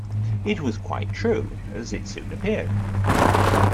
It was quite true, as it soon appeared.